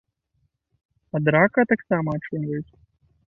Ад рака таксама ачуньваюць.